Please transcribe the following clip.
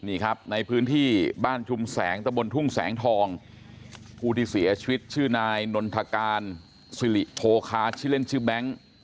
นี่ครับในพื้นที่บ้านชุมแสงตะบนทุ่งแสงทองผู้ที่เสียชีวิตชื่อนายนนทการสิริโภคาชื่อเล่นชื่อแบงค์